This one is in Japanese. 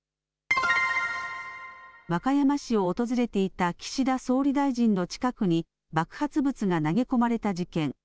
和歌山市を訪れていた岸田総理大臣の近くに爆発物が投げ込まれた事件。